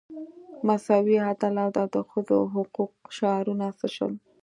مساوي عدالت او د ښځو حقوقو شعارونه څه شول.